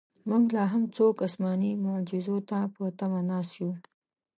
موږ لاهم څوک اسماني معجزو ته په تمه ناست یو.